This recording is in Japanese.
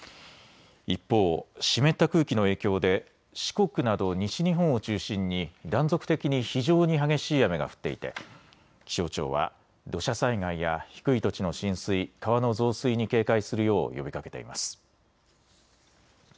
一方、湿った空気の影響で四国など西日本を中心に断続的に非常に激しい雨が降っていて気象庁は土砂災害や低い土地の浸水、川の増水に警戒するよう呼びかけています。